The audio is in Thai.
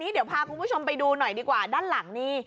เดี๋ยวพาคุณผู้ชมไปดูหน่อยดีกว่าด้านหลังนี่